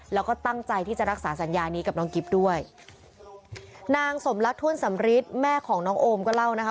แล้วก็ตั้งใจที่จะรักษาสัญญานี้กับน้องกิ๊บด้วยนางสมรักถ้วนสำริทแม่ของน้องโอมก็เล่านะคะ